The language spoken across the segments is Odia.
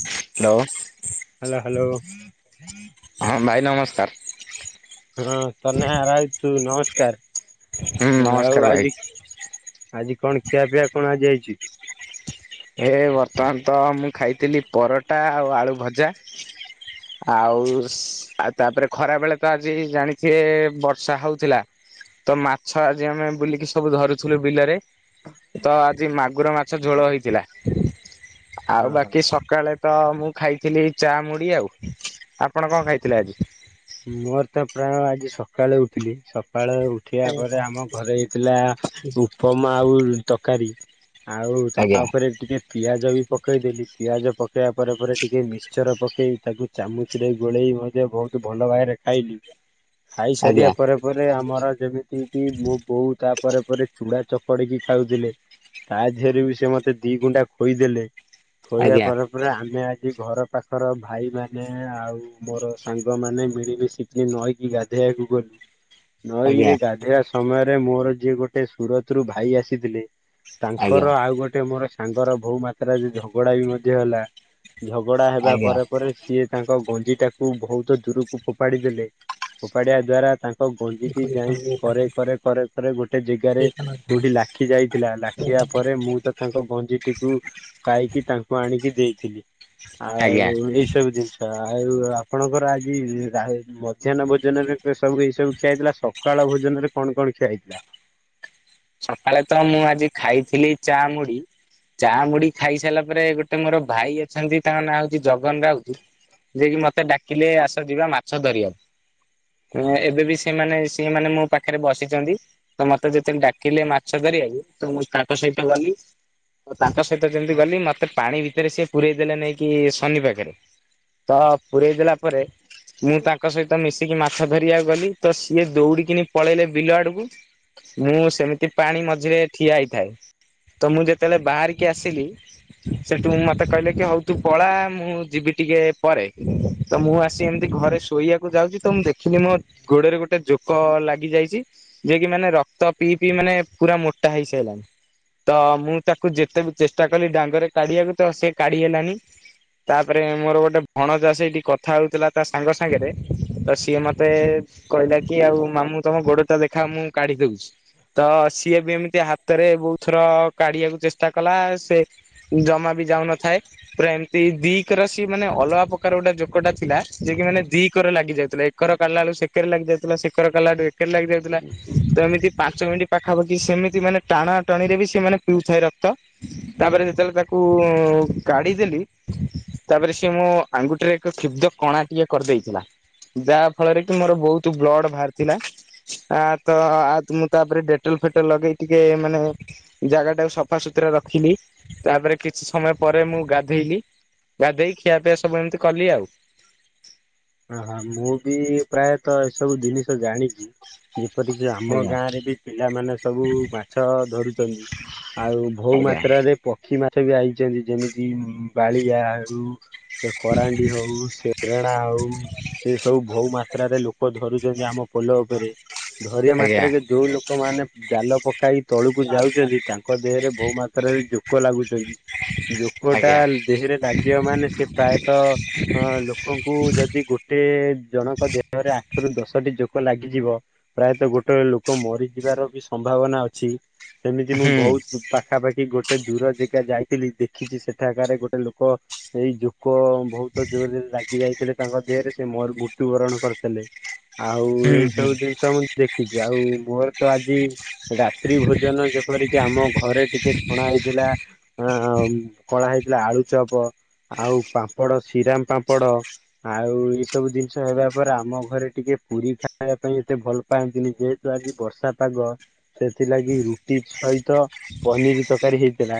ହ୍ୟାଲୋ ହ୍ୟାଲୋ ହ୍ୟାଲୋ ହୁଁ ହଁ ଭାଇ ନମସ୍କାର ହଁ ତନେ ଆରାଇଛୁ ନମସ୍କାର, ହୁଁ ନମସ୍କାର ଆଉ ଭାଇ ଆଜି- ଆଜି କଣ ଖିଆପିଆ କଣ ଆଜି ହେଇଚି? ହେ ବର୍ତ୍ତମାନ ତ ମୁଁ ଖାଇଥିଲି ପରଟା ଆଉ ଆଳୁ ଭଜା- ଆଉ ସ ଆଉ ତାପରେ ଖରା ବେଳେ ତ ଆଜି ଜାଣିଥିବେ ବର୍ଷା ହଉଥିଲା- ତ ମାଛ ଆଜି ଆମେ ବୁଲିକି ସବୁ ଧରୁଥିଲୁ ବିଲରେ- ତ ଆଜି ମାଗୁର ମାଛ ଝୋଳ ହେଇଥିଲା, ଆଉ ଓହୋ ବାକି ସକାଳେ ତ ମୁଁ ଖାଇଥିଲି ଏଇ ଚା ମୁଡି ଆଉ ଆପଣ କଣ ଖାଇଥିଲେ ଆଜି? ମୋର ତ ପ୍ରାୟ ଆଜି ସକାଳେ ଉଠିଲି ସକାଳେ ଉଠିବା ପରେ ଆମ ଘରେ ଥିଲା ଉପମା ଆଉ ତକାରୀ ଆଉ ଆଜ୍ଞା ତାପରେ ଟିକେ ପିଆଜ ବି ପକେଇ ଦେଲି ପିଆଜ ପକେଇବା ପରେ ପରେ ଟିକେ ମିକ୍ସଚର ପକେଇ ତାକୁ ଚାମୁଚରେ ଗୋଳେଇ ମଧ୍ୟ ବହୁତ ଭଲ ଭାବରେ ଖାଇଲି ଖାଇ ସାରିବା ଆଜ୍ଞା ପରେ- ତା ପରେ ଆମର ଯେମିତି କି ମୋ ବୋଉ ତାପରେ ପରେ ଚୁଡା ଚକଡିକି ଖାଉଥିଲେ- ତା ଦିହେରେ ବି ସେ ମତେ ଦି ଗୁଣ୍ଡା ଖୋଇଦେଲେ- ଖୋଇବା ଆଜ୍ଞା ପରେ ପରେ ଆମେ ଆଜି ଘର ପାଖର ଭାଇ ମାନ ଆଉ ମୋର ସାଙ୍ଗ- ସାଙ୍ଗ ମାନେ ମିଳିମିଶିକି ନଈକି ଗାଧେଇବାକୁ ଗଲୁ, ଆଜ୍ଞା ନଈରେ ଗାଧେଇବା- ସମୟରେ ମୋର ଯିଏ ଗୋଟେ ସୁରତରୁ ଭାଇ ଆସିଥିଲେ ଆଜ୍ଞା ତାଙ୍କର ଆଉ ଗୋଟେ ମୋର- ସାଙ୍ଗର ବହୁ ମାତ୍ରାରେ ଝଗଡ଼ା ବି ମଧ୍ୟ ହେଲା, ଝଗଡ଼ା ହେବା ଆଜ୍ଞା ପରେ- ପରେ ସିଏ ତାଙ୍କ ଗଞ୍ଜି ଟାକୁ ବୋହୁତ ଦୂରକୁ ଫୋପାଡି ଦେଲେ ଫୋପାଡିବା ଦ୍ଵାରା ତା ତ ଗଞ୍ଜିଟି ଯାଇକି କରେ -କରେ- କରେ- କରେ ଗୋଟେ ଜେଗାରେ କୋଉଠି ଲାଖି ଯାଇଥିଲା ଲାଖିବା ପରେ ମୁଁ ତ ତାଙ୍କ ଭଞ୍ଜିଟିକୁ ପାଇକି ତାଙ୍କୁ ଆଣିକି ଦେଇଥିଲି। ଆଉ ଆଜ୍ଞା ଏଇ ସବୁ ଜିନିଷ ଆଉ ଆପଣଙ୍କର ଆଜ ମଧ୍ୟାହ୍ନ ଭୋଜନରେ ସବୁ ଏଇ ସବୁ ଖିଆ ହେଇଥିଲା, ସକାଳ ଭୋଜନରେ କଣ କଣ ଖିଆ ହେଇଥିଲା। ସକାଳେ ତ ମୁଁ ଆଜି ଖାଇଥିଲି ଚା, ମୁଢି। ଚା ମୁଡି ଖାଇସାରିଲା ପରେ ଗୋଟେ ମୋର ଭାଇ ଅଛନ୍ତି ତାଙ୍କ ନାଁ ହୋଉଛି ଜଗନ ରାଉତ୍ ଯିଏକି ମତେ ଡାକିଲେ ଆସ ଯିବା ମାଛ ଧରିବାକୁ। ଏବେ ବି ସେମାନେ ସିମାନେ ମୋ ପାଖରେ ବସିଛନ୍ତି। ତ ମତେ ଯେତେ ଡା ଡାକିଲେ ମାଛ ଧରିଆ ତ ମୁଁ ତାଙ୍କ ସହିତ ଗଲି। ତାଙ୍କ ସହିତ ଯେମିତି ଗଲି ମତେ ପାଣି ଭିତରେ ସିଏ ପୁରେଇ ଦେଲେ ନେଇକି ଶନି ପାଖରେ। ତ ପୁରରେଇ ଦେଲା ପରେ। ମୁଁ ତାଙ୍କ ସହିତ ମିଶିକି ମାଛ ଧରିବାକୁ ଗଲି ତ ସିଏ ଦଉଡିକିନି ପଳେଇଲେ ବିଲୁ ଆଡକୁ। ମୁଁ ସେମିତି ପାଣି ମଝିରେ ଠିଆ ହେଇଥାଏ। ତ ମୁଁ ଯେତେବେଳେ ବାହାରିକି ଆସିଲି। ସେଠୁ ମତେ କହିଲେ କି ହଉ ତୁ ପଳା ମୁଁ ଯିବି ଟିକେ ପରେ। ତ ମୁଁ ଆସି ଏମିତି ଘରେ ଶୋଇବାକୁ ଯାଉଛି ତ ମୁଁ ଦେଖିଲି ମୋ ଗୋଡରେ ଗୋଟେ ଜୋକ ଲାଗି ଯାଇଛି। ଯିଏ କିି ମାନେ ରକ୍ତ ପିଇ ପିଇ ମାନେ ପୁରା ମୋଟା ହେଇସାରିଲାଣି। ତ ମୁଁ ତାକୁ ଯେତେ ବି ଚେଷ୍ଟା କଲି ଡାଙ୍ଗରେ କାଢିବାକୁ ତ ସେ କାଢି ହେଲାନି। ତାପରେ ମୋର ଗୋଟେ ଭଣ ଯା ସେଠି କଥା ହୋଉଥିଲା ତା ସାଙ୍ଗ ସାଙ୍ଗରେ ତ ସିଏ ମତେ କହିଲା କି ଆଉ ମାମୁଁ ତମ ଗୋଡଟା ଦେଖା ମୁଁ କାଢି ଦୋଉଛି। ତ ସିଏ ବି ଏମିତି ହାତରେ ବୋହୁତ୍ ଥର କାଢିବାକୁ ଚେଷ୍ଟା କଲା ସେ ଜମା ବି ଯାଉନଥାଏ। ପୁରା ଏମିତି ଦିକ ର ସି ମାନେ ଅଲଗା ପ୍ରକାର ଗୋଟେ ଯୋକଟା ଥିଲା ଯିଏ କି ମାନେ ଦିକର ଲାଗି ଯାଉଥିଲା। ଶେକର କାଲା ଳୁ ସେକେରେ ଲାଗି ଯାଉଥିଲା, ଶେକର କଲାଳୁ ଏକେରେ ଲାଗି ଯାଉଥିଲା ତ ଏମିତି ପାଞ୍ଚ ମିନି ପାଖାପାଖି ସେମିତି ମାନେ ଟାଣା ଟାଣି ରେ ବି ସେମାନେେ ପିଉଥାଏ ରକ୍ତ। ତାପରେ ଯେତେବେଳେ ତାକୁ କାଢି ଦେଲି। ତାପରେ ସେଏ ମୋ ଆଙ୍ଗୁଠିରେ ଏକ କ୍ଷୁବ୍ଧ କଣା ଟିକେ କରିଦେଇଥିଲା। ଯାହା ଫଳରେ କି ମୋର ବୋହୁତୁ ବ୍ଲଡ୍ ବାହାରି ଥିଲା ଆ ତ ମୁଁ ତାପରେ ଯୋଉ ଫେଟଲ ଲଗେଇ ଟିକେ ମାନେ ଜାଗା ଟାକୁ ସଫା ସୁତୁରା ରଖିଲି। ତାପରେ କିଛି ସମୟ ପରେ ମୁଁ ଗାଧେଇଲି ଗାଧେଇ ଖିଆ ପିଆ ସବୁ ଏମିତି କଲି ଆଉ। ଓହ ମୁଁ ବି ପ୍ରାୟତଃ ଏସବୁ ଜିନିଷ ଜାଣି ଯେପରିକି ଆମ ଆଜ୍ଞା ଗାଁ ରେ ବି ପିଲାମାନେ ସବୁ ମାଛ ଧରୁଚନ୍ତି। ଆଉ ବୋହୁ ଆଜ୍ଞା ମାତ୍ରରେ ପକ୍ଷୀ ମାଛ ବି ଆଇଚନ୍ତି, ଯେମିତି ବାଳିଆ ଆ ଏ କରରାଣ୍ଡି ହଉ ଶେରଣା ହଉ। ଏ ସବୁ ଭୋହୁ ମାତ୍ରାରେ ଲୋକ ଧରୁଚନ୍ତି ଆମ ପୋଲ ଉପରେ। ଧରିବା ଆଜ୍ଞା ମାତ୍ରାକେ ଯୋଉ ଲୁକମାନେ ଜାଲ ପକାଇ ତଳକୁ ଯାଉଛନ୍ତି ତାଙ୍କ ଦେହରେ ବହୁ ମାତ୍ରାରେ ଜୋକ ଲାଗୁଚନ୍ତି। ଜୋକ ଟା ଆଜ୍ଞା ଦେହେରେ ଲାଗିବ ମାନେ ସେ ପ୍ରାୟତ ଅ ଲୋକଙ୍କୁ ଯେ ଯଦି ଗୋଟେ ଜଣଙ୍କ ଦେହରେ ଆଠ ରୁ ଦଶଟି ଯୋକ ଲାଗିଯିବ। ପ୍ରାୟତ ଗୋଟେ ଲୋକ ମରିଯିବାର ବି ସମ୍ଭାବନା ଅଛି। ସେମିତି ମୁଁ ହୁଁ ବହୁତ୍ ପାଖାପାଖି ଗୋଟେ ଦୂର ଯେଗା ଯାଇଥିଲି ଦେଖିଛି। ସେଠାକାରେ ଗୋଟେ ଲୋକ ଏଇ ଜୋ କୋ ବୋହୁତ ଜୋରେ ଲାଗି ଯାଇଥିଲେ ତାଙ୍କ ଦେହରେ ସେ ମୃତ୍ୟୁବରଣ କରିଥିଲେ। ଆଉ ହୁଁ ଏଇ ହୁଁ ସବୁ ଜିନିଷ ମୁଁ ଦେଖିଛି। ଆଉ ମୋର ତ ଆଜି ରାତ୍ରି ଭୋଜନ ଯେପରିକି ଆମ ଘରେ ଟିକେ ଛଣା ହେଇଥିଲା ହଁ କଳା ହେଇଥିଲା ଆଳୁ ଚପ ଆଉ ପାମ୍ପଡ଼ ସିରାମ ପାମ୍ପଡ଼ ଆଉ ଏଇ ସବୁ ଜିନିଷ ହେବା ପରେ ଆମ ଘରେ ଟିକେ ପୁରୀ ଖାଇବା ପାଇଁ ଏତେ ଭଲ ପାନ୍ତିନି ଯେହେତୁ ଆଜି ବର୍ଷା ପାଗ ସେଥିଲାଗି ରୁଟି ସହିତ ପନିର୍ ତରକାରୀ ହେଇଥିଲା।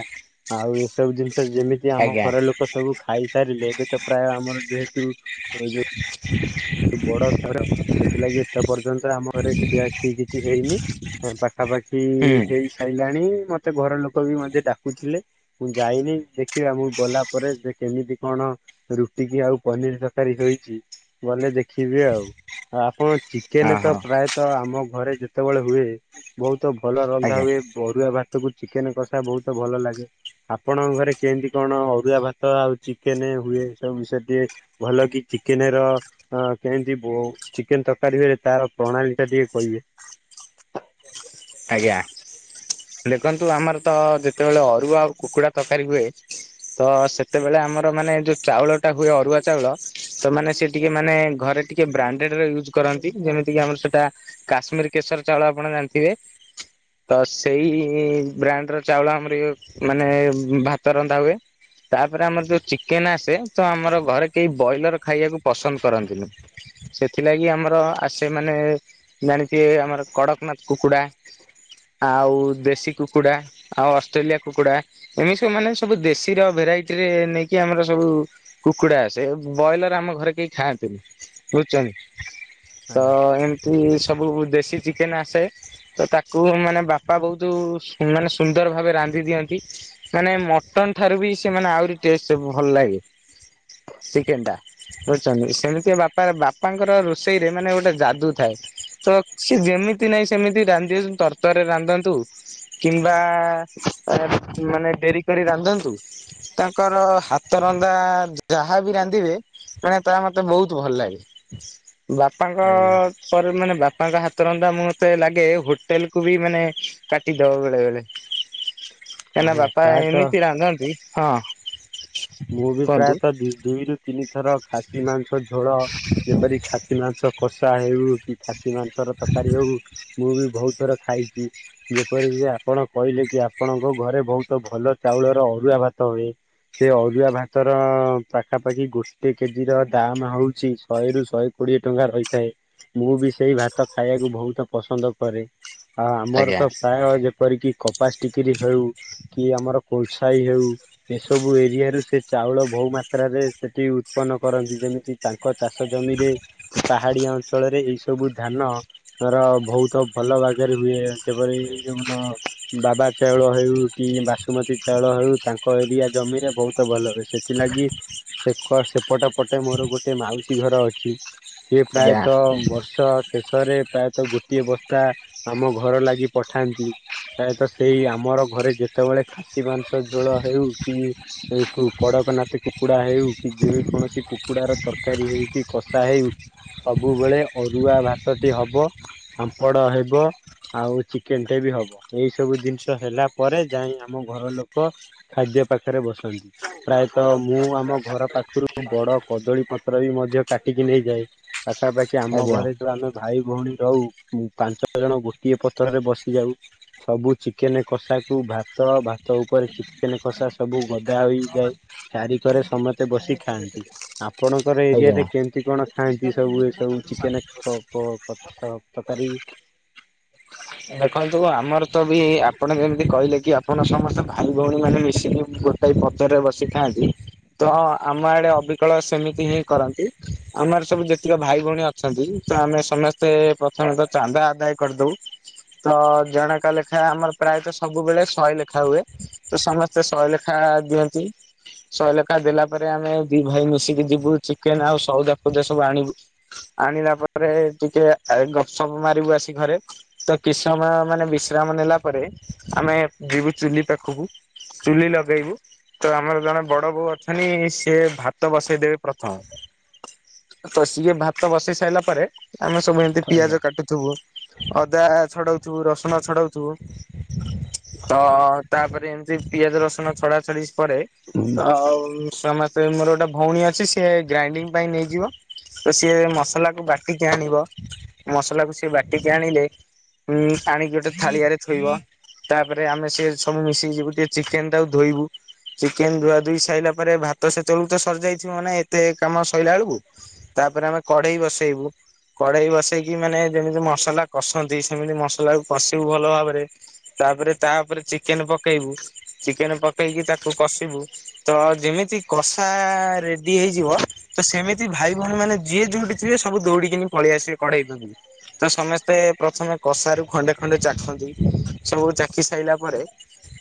ଆଉ ଏସବୁ ଜିନିଷ ଯେମିତି ଆମ ଆଜ୍ଞା ଘର ଲୋକ ସବୁ ଖାଇସାରିଲେ ଏବେ ତ ପ୍ରାୟ ଆମର ଯେ ହେତୁ [unintelligible] ବଡ ଘର ସେଥିଲାଗି ଏତେ ପର୍ଯ୍ୟନ୍ତ ଆମ ଘରେ ଖିଆଖିଇ କିଛି ହେଇନି। ପାଖାପାଖି ହୁଁ ହେଇ ସାରିଲାଣି ମତେ ଘର ଲୋକ ବି ମତେ ଡାକୁଥିଲେ। ମୁଁ ଯାଇନି ଦେଖିବା ମୁଁ ଗଲା ପରେ ସେ କେମିତି କଣ ରୁଟି କିି ଆଉ ପନିର୍ ତରକାରୀ ହୋଇଛି। ଗଲେ ଦେଖିବି ଆଉ ଆଉ ଆପଣ ଚିକେନ୍ ତ ଓହୋ ପ୍ରାୟତଃ ଆମ ଘରେ ଯେତେବେଳେ ହୁଏ। ବହୁତ୍ ଭଲ ରନ୍ଧା ଆଜ୍ଞା ହୁଏ ଅରୁଆ ଭାତ କୁ ଚିକେନ୍ କଷା ବହୁତ୍ ଭଲ ଲାଗେ। ଆପଣଙ୍କ ଘରେ କେମତି କଣ ଅରୁଆ ଭାତ ଆଉ ଚିକେନ୍ ହୁଏ ସବୁ ବିଷୟରେ ଟିକେ ଭଲ କି ଚିକେନ୍ ର ହଁ କେମିତି ବୋ ଚିକେନ୍ ତରକାରୀ ହୁଏ ତାର ପ୍ରଣାଳୀ ଟା ଟିକେ କହିବେ? ଆଜ୍ଞା। ଦେଖନ୍ତୁ ଆମର ତ ଯେତେବେଳେ ଅରୁଆ ଆଉ କୁକୁଡା ତରକାରୀ ହୁଏ ତ ସେତେବେଳେ ଆମର ମାନେ ଯୋଉ ଚାଉଳ ଟା ହୁଏ ଅରୁଆ ଚାଉଳ ତ ମାନେ ସେ ଟିକେ ମାନେ ଘରେ ଟିକେ ବ୍ରାଣ୍ଡେଡ୍ରେ ୟୁଜ୍ କରନ୍ତି ଯେମିତିକି ଆମର ସେଟା କାଶ୍ମୀର୍ କେଶର ଚାଉଳ ଆପଣ ଜାଣିଥିବେ? ତ ସେଇ ବ୍ରାଣ୍ଡ ର ଚାଉଳ ଆମର ଇଏ ମାନେ ଭାତ ରନ୍ଧା ହୁଏ। ତାପରେ ଆମର ଯୋଉ ଚିକେନ୍ ଆସେ ତ ଆମର ଘରେ କେହି ବୟିଲର ଖାଇବାକୁ ପସନ୍ଦ କରନ୍ତିନି। ସେଥିଲାଗି ଆମର ଆସେ ମାନେ ଜାଣିଥିବେ ଆମର କଡକନାଥ୍ କୁକୁଡା [inaudible] ଆଉ ଦେଶୀ କୁକୁଡା ଆଉ ଅଷ୍ଟ୍ରେଲିଆ କୁକୁଡା ଏମିତି ସବୁ ମାନେ ସବୁ ଦେଶୀର ଭେରାଇଟି ରେ ନେଇକି ଆମର ସବୁ କୁକୁଡା ଆସେ ବ୍ରଏଲର ଆମ ଘରେ କେହି ଖାଆନ୍ତିନି ବୁଝୁଛନ୍ତି। ତ ଆଜ୍ଞା ଏମିତି ସବୁ ଦେଶୀ ଚିକେନ୍ ଆସେ। ତ ତାକୁ ମାନେ ବାପା ବହୁତ୍ ମାନେ ସୁନ୍ଦର ଭାବେ ରାନ୍ଧି ଦିଅନ୍ତି। ମାନେ ମଟନ୍ ଠାରୁ ବି ସେମାନେ ଆହୁରି ଟେଷ୍ଟ୍ ଭଲ ଲାଗେ ଚିକେନ୍ ଟା ବୁଝୁଛନ୍ତି ସେମିତି ବାପା ବାପାଙ୍କର ରୋଷେଇରେ ମାନେ ଗୋଟେ ଯାଦୁ ଥାଏ। ତ ସେ ଯେମିତି ନାହିଁ ସେମିତି ରାନ୍ଧିବେ ତର୍ ତରେ ରାନ୍ଧନ୍ତୁ କିମ୍ବା ମାନେ ଡେରି କରି ରାନ୍ଧନ୍ତୁ। ତାଙ୍କର ହାତ ରନ୍ଧା ଯାହାବି ରାନ୍ଧିବେ ମାନେ ତା ମତେ ବହୁତ୍ ଭଲ ଲାଗେ। ବାପାଙ୍କ ଆଜ୍ଞା ପରେ ମାନେ ବାପାଙ୍କ ହାତ ରନ୍ଧା ମତେ ଲାଗେ ହୋ ଟେଲ୍ କୁୁ ବି ମାନେ କାଟିଦବ ବେଳେ ବେଳେ କାହିଁକି ନା ଆଜ୍ଞା ବାପା ପ୍ରାୟତଃ ଏମିତି ରାନ୍ଧନ୍ତି ହଁ। ମୁଁ ବି କୁହନ୍ତୁ। ପ୍ରାୟତଃ ଦୁଇରୁ ତିନି ଥର ଖାସି ମାଂସ ଝୋଳ ଯେପରି ଖାସି ମାଂସ କଷା ହେଉ କି ଖାସି ମାଂସର ତରକାରୀ ହଉ ମୁଁ ବି ବହୁତ୍ ଥର ଖାଇଛି। ଯେପରିକି ଆପଣ କହିଲେ କି ଆପଣଙ୍କ ଘରେ ବହୁତ୍ ଭଲ ଚାଉଳର ଅରୁଆ ଭାତ ହୁଏ। ସେ ଅରୁୁଆ ଭାତର ପାଖାପାଖି ଗୋଟେ କେଜି ର ଦାମ୍ ହଉଛି ଶହେରୁୁ ଶହେ କୋଡିଏ ଟଙ୍କା ରହିଥାଏ ମୁଁ ବି ସେଇ ଭାତ ଖାଇବାକୁ ବହୁତ୍ ପସନ୍ଦ କରେ। ହ ଆମର ଆଜ୍ଞା ତ ପ୍ରାୟ ଯେପରିକି କପାସ ଟିକିରି ହେଉ କି ଆମର କୋଲସାଇ ହେଉ ସବୁ ଏରିଆରୁ ସେ ଚାଉଳ ବହୁ ମାତ୍ରାରେ ସେଠି ଉତ୍ପନ୍ନ କରନ୍ତି ଯେମିତି ତାଙ୍କ ଚାଷ ଜମିରେ ପାହାଡିଆ ଅଞ୍ଚଳରେ ଏଇ ସବୁ ଧାନ ତାର ବହୁତ ଭଲ ବାଗରେ ହୁଏ ଯେପରି ଯୋଉନ ବାବା ଚାଉଳ ହେଉ କି ବାସୁମତୀ ଚାଉଳ ହେଉ ତାଙ୍କ ଏରିଆ ଜମିରେ ବହୁତ ଭଲ ହୁଏ ସେଥିଲାଗି ସେକ ସେପଟ ପଟେ ମୋର ଗୋଟେ ମାଉସୀ ଘର ଅଛି ସେ ଆଜ୍ଞା ପ୍ରାୟତଃ ବର୍ଷ ଶେଷରେ ପ୍ରାୟତଃ ଗୋଟିଏ ବସ୍ତା ଆମ ଘର ଲାଗି ପଠାନ୍ତି। ପ୍ରାୟତଃ ସେଇ ଆମର ଘରେ ଯେତେବେଳେ ଖାସି ମାଂସ ଝୋଳ ହେଉ କି କଡକ ନାଥ କୁକୁଡା ହେଉ କି ଯେ କୌଣସି କୁକୁଡାର ତରକାରୀ ହେଉ କି କଷା ହେଉ ସବୁବେଳେ ଅରୁଆ ଭାତଟେ ହବ ପାମ୍ପଡ ହେବ। ଆଉ ଚିକେନ ଟେ ବି ହବ ଏଇ ସବୁ ଜିନିଷ ହେଲା ପରେ ଯାଇଁ ଆମ ଘର ଲୋକ ଖାଦ୍ୟ ପ ପାଖେରେ ବସନ୍ତି ପ୍ରାୟତଃ ମୁଁ ଆମ ଘର ପାଖରୁ ବଡ କଦଳୀ ପତ୍ର ବି ମଧ୍ୟ କା ଟିକି ନେଇଯାଏ ପାଖାପାଖି ଆମ ଆଜ୍ଞା ଘରେ ଆମେ ଭାଇ ଭଉଣୀ ରହୁ ପାଞ୍ଚ ଜଣ ଗୋଟିଏ ପତରରେ ବସି ଯାଉ। ସବୁ ଚିକେନ କଷାକୁ ଭାତ ଭାତ ଉପରେ ଚିକେନ କଷା ସବୁ ଗଦା ହୋଇଯାଏ ଚାରିିକରେ ସମସ୍ତେ ବସି ଖାଆନ୍ତି। ଆପଣଙ୍କର ଆଜ୍ଞା। ଏରିଆରେ କେମିତି କଣ ଖାଆନ୍ତି ସବୁ ଏ ସବୁ ଚିକେନ ପ ପ ପତ୍ର ଉପକାରୀ ଦେଖନ୍ତୁ ଆମର ତ ବି ଆପଣ ଯେମିତି କହିଲେ କି ଆପଣ ସମସ୍ତେ ଭାଇ ଭଉଣୀ ମାନେ ମିଶିକି ଗୋ [unintelligible] ପତରରେ ବସିଖାଆନ୍ତି ତ ଆମ ଆଡେ ଅବିକଳ ସେମିତି ହିଁ କରନ୍ତି ଆମର ସବୁ ଯେତିକି ଭାଇ ଭଉଣୀ ଅ ଅଛନ୍ତି ତ ଆମେ ସମେସ୍ତେ ପ୍ରଥମେ ତ ଚାନ୍ଦା ଆଦାୟ କରିଦଉ। ତ ଜଣକା ଲେଖା ଆମର ପ୍ରାୟତଃ ସବୁବେଳେ ଶହେ ଲେଖା ହୁଏ। ତ ସମସ୍ତେ ଶହେ ଲେଖା ଦିଅନ୍ତି। ଶହେ ଲେଖା ଦେଲା ପରେ ଆମେ ଦି ଭାଇ ମିଶିକି ଯିବୁ ଚିକେନ ଆଉ ସଉଦା ଫଉଦା ସବୁ ଆଣିବୁ। ଆଣିଲା ପରେ ଟିକେ ଏ ଗପ ସପ ମାରିବୁ ଆସି ଘରେ। ତ କିସ୍ ସମୟ ମାନେ ବିଶ୍ରାମ ନେଲା ପରେ ଆମେ ଯିବୁ ଚୁଲି ପାଖୁକୁ। ଚୁଲି ଲଗେଇବୁ। ତ ଆମର ଜଣେ ବଡ ବୋଉ ଅଛନି ସିଏ ଭାତ ବସେଇ ଦେବେ ପ୍ରଥମ। ତ ସିଏ ଭାତ ବସେଇ ସାରିଲା ପରେ ଆମେ ସବୁ ଏମିତି ଆଜ୍ଞା। ପିଆଜ କାଟୁଥୁବୁ ଅଦା ଛଡଉଥୁବୁ ରସୁଣ ଛଡଉଥୁବୁ। ତ ତାପରେ ଏମିତି ପିଆଜ, ରସୁଣ ଛଡା ଛଡି ପରେ ତ ଆଉ ସମେସ୍ତେ ମୋର ଗୋଟେ ଭଉଣୀ ଅଛି ସିଏ ଗ୍ରାଇଣ୍ଡିଙ୍ଗ ପାଇଁ ନେଇଯିବ ତ ସିଏ ମସଲା କୁ ବାଟିକି ଆଣିବ ମସଲା କୁ ସିଏ ବାଟିକି ଆଣିଲେ ହୁଁ ଆଣିିକି ଗୋଟେ ଥାଳିଆରେ ଥୋଇବ ତାପରେ ଆମେ ସିଏ ସବୁ ମିଶିକି ଯିବୁ ଟିକେ ଚିକେନ ଟାକୁ ଧୋଇବୁ। ଚିକେନ ଧୁଆ ଧୁଇ ସାଇଲା ପରେ ଭାତ ସେତେବେଳକୁ ତ ସରିଯାଇଥିବ ମାନେ ଏତେ କାମ ସଇଲା ଏଳ୍ କୁ। ତାପରେ ଆମେ କଡେଇ ବସେଇବୁ। କଢେଇ ବସେଇକି ମାନେ ଯେମିତି ମସଲା କସ ନ୍ତି ସେମିତି ମସଲା କୁ କଷିବୁ ଭଲ ଭାବରେ ତାପରେ ତାପରେ ଚିକେନ ପକେଇବୁ। ଚିକେନ ପକେଇକି ତାକୁ କଷିବୁ ତ ଯେମିତି କଷା ରେଡି ହେଇଯିବ ତ ସେମିତି ଭାଇ ଭଉଣୀ ମାନେ ଯିଏ ଯୋଉଠି ଥିବେ ସବୁ ଦୌଡିକିନି ପଳେଇଆସିବେ କଡେଇ ପଖକୁ। ତ ସମେସ୍ତେ ପ୍ରଥମେ କଷାରୁ ଖଣ୍ଡେ ଖଣ୍ଡେ ଚାଖନ୍ତି ସବୁ ଚାଖି ସାଇଲା ପରେ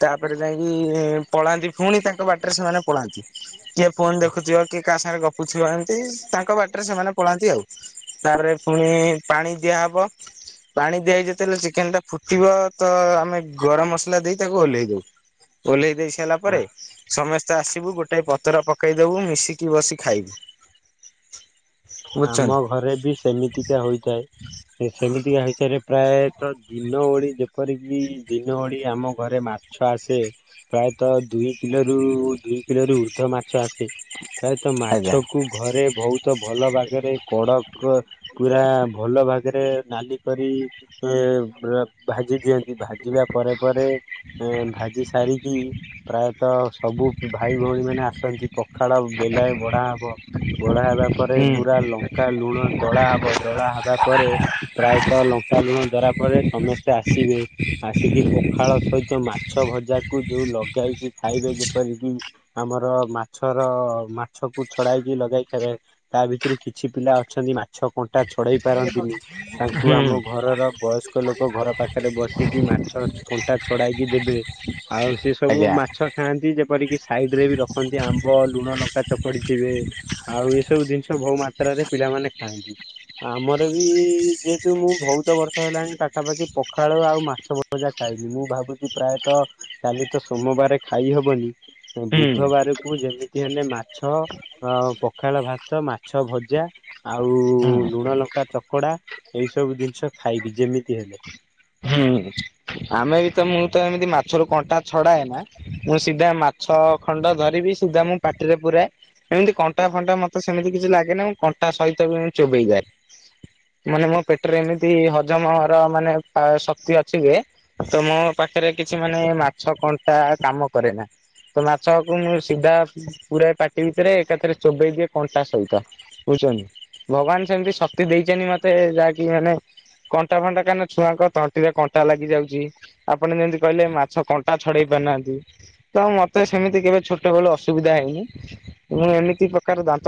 ତାପରେ ଯାଇଁକି ପଳାନ୍ତି ଫୁଣି ତାଙ୍କ ବାଟରେ ସେମାନେ ପଳାନ୍ତି। କିଏ ଫୋନ୍ ଦେଖୁଥିବ, କିଏ କାହା ସାଙ୍ଗେରେ ଗପୁଥିବ ଏମିତି ତାଙ୍କ ବାଟରେ ସେମାନେ ପଳାନ୍ତି ଆଉ। ତାପରେ ପୁଣି ପାଣି ଦିଆହବ। ପାଣି ଦିଆହେଇ ଯେତେବେଳେ ଚିକେନ ଟା ଫୁଟିବ ତ ଆମେ ଗରମ ମସଲା ଦେଇ ତାକୁ ଓହ୍ଲେଇ ଦଉ। ଓହ୍ଲେଇ ଦେଇ ସାରିଲା ପରେ ସମସ୍ତେ ଆସିବୁ ଗୋଟାଏ ପତର ପକେଇଦବୁ ମିଶିକି ବସି ଖାଇବୁ। ଆମ ବୁଝୁଛନ୍ତି। ଘରେ ବି ସେମିତିକା ହୋଇଥାଏ। ସେମିତିକା ହେଇସାରେ ପ୍ରାୟତଃ ଦିନ ଓଳି ଯେପରିକି ଦିନ ଓଳି ଆମ ଘରେ ମାସ ମାଛ ଆସେ ପ୍ରାୟତଃ ଦୁଇ କିଲୋରୁ ଦୁଇ କିଲୋରୁ ଉର୍ଦ୍ଧ୍ୱ ମାଛ ଆସେ। ପ୍ରାୟତ ଆଜ୍ଞା ମାଛକୁ ଘରେ ବହୁତ ଭଲ ଭାବରେ କଡକ ପୁରା ଭଲ ଭାଗରେ ନାଲି କରି ଏ ଭାଜି ଦିଅନ୍ତି। ଭାଜିବା ପରେ ପରେ ଭାଜି ସାରିକି ପ୍ରାୟତଃ ସବୁ ଭାଇ ଭଉଣୀ ମାନେ ଆସନ୍ତି ପ ପଖାଳ ବେଲାଏ ବଢା ହବ ବଢା ହେବା ପରେ ହୁଁ ପୁରା ଲଙ୍କା ଲୁଣ ଦଳା ହବ ଦଳା ହେଲା ପରେ ପ୍ରାୟତଃ ଲଙ୍କା ଲୁଣ ଦରା ପରେ ସମସ୍ତେ ଆସିବେ। ଆସିକି ପଖାଳ ସହିତ ମାଛ ଭଜାକୁ ଯୋଉ ଲଗାଇକି ଖାଇବେ ଯେପରିକି ଆମର ମାଛର ମାଛକୁ ଛଡାଇକି ଲଗାଇ ଖାଇବେ। ତା ଭିତୁରୁ କିଛି ପିଲା ଅଛନ୍ତି ମାଛ କଣ୍ଟା ଛଡେଇ ପାରନ୍ତିନି। ତାଙ୍କୁ ହୁଁ ଆମ ଘରର ବୟସ୍କ ଲୋକ ଘର ପାଖରେ ବସିକି ମାଛ କଣ୍ଟା ଛଡାଇକି ଦେବେ। ଆଉ ସେ ସବୁ ଆଜ୍ଞା ମାଛ ଖାଆନ୍ତି, ଯେପରିକି ସାଇଡରେ ବି ରଖନ୍ତି ଆମ୍ବ, ଲୁଣ ଲଙ୍କା, ଚକଡି ଥିବେ। ଆଉ ଏବୁ ସବୁ ଜିନିଷ ବହୁ ମାତ୍ରାରେ ପିଲାମାନେ ଖାଆନ୍ତି। ଆମର ବି ଯେହେତୁ ମୁଁ ବହୁତ ବର୍ଷ ହେଲାଣି ପାଖାପାଖି ପଖାଳ ଆଉ ମାଛ ଜା ଖାଇନି ମୁଁ ଭାବୁଚି ପ୍ରାୟତଃ କାଲି ତ ସୋମବାରେ ଖାଇହବନି ହୁଁ ବୁଧବାରକୁ ଯେମିତି ହେଲେ ମାଛ ଆ ପଖାଳ ଭାତ ତ ମାଛ ଭଜା ଆଉ ହୁଁ ଲୁଣ ଲଙ୍କା ଚ ଚକଡା। ଏଇ ସବୁ ଜିନିଷ ଖାଇବି ଯେମିତି ହେଲେ। ହୁଁ। ଆମେ ବି ତ ମୁଁ ତ ଏମିତି ମାଛରୁ କଣ୍ଟା ଛଡାଏ ନା ମୁଁ ସିଧା ମାଛ ଖଣ୍ଡ ଧରି କରିବି ସିଦ୍ଧା ମୁଁ ପାଟିରେ ପୁରାଏ। ଏମିତି କଣ୍ଟା ଫଣ୍ଟା ମତେ ସେମିତି କିଛି ଲାଗେନି ମୁଁ କଣ୍ଟା ସହିତ ବି ଚୋବେଇଯାଏ। ମାନେ ମୋ ପେଟେରେ ଏମିତି ହଜମ ହର ମାନେ ଆ ଶକ୍ତି ଅଛି ଯେ, ତ ମୋ ପାଖରେ କିଛି ମାନେ ମାଛ କଣ୍ଟା କାମ କରେନା। ତ ମାଛକୁ ମୁଁ ସିଧା ପୁରା ପାଟି ଭିତରେ ଏକାଥରେ ଚୋବେଇ ଦିଏ କଣ୍ଟା ସହିତ ବୁଝୁଚନ୍ତି? ଭଗବାନ ସେମିତି ଶକ୍ତି ଦେଇଚନ୍ତି ମତେ ଯାହାକି ମାନେ କଣ୍ଟା ଫଣ୍ଟା କାନ ଛୁଆଙ୍କ ତଣ୍ଟିରେ କଣ୍ଟା ଲାଗି ଯାଉଚି, ଆପଣ ଯେମିତି କହିଲେ ମାଛ କଣ୍ଟା ଛଡେଇ ପାରୁନାହାନ୍ତି। ତ ମତେ ସେମିତି କେବେ ଛୋଟବଳୁ ଅସୁବିଧା ହେଇନି ମୁଁ ଏମିତି ପ୍ରକାର ଦାନ୍ତ